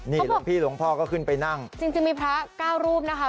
นี่หลวงพี่หลวงพ่อก็ขึ้นไปนั่งจริงจริงมีพระเก้ารูปนะคะ